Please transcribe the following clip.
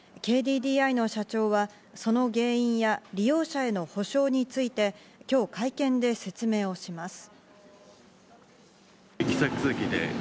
ＫＤＤＩの社長はその原因や利用者への補償などについて今日会見で説明をします。